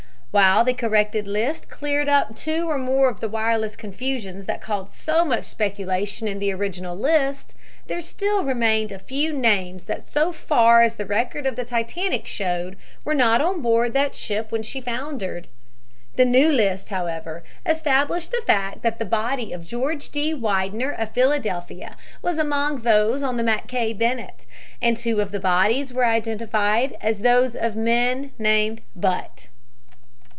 While the corrected list cleared up two or more of the wireless confusions that caused so much speculation in the original list, there still remained a few names that so far as the record of the Titanic showed were not on board that ship when she foundered. The new list, however, established the fact that the body of George D. Widener, of Philadelphia, was among those on the Mackay Bennett, and two of the bodies were identified as those of men named Butt.